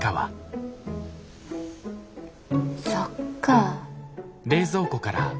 そっか。